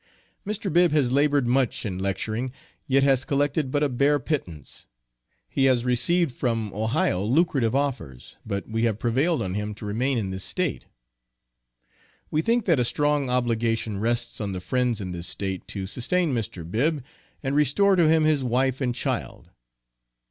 Mr. Bibb has labored much in lecturing, yet has collected but a bare pittance. He has received from Ohio lucrative offers, but we have prevailed on him to remain in this State. We think that a strong obligation rests on the friends in this State to sustain Mr. Bibb, and restore to him his wife and child.